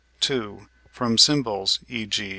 From symbols, e.g.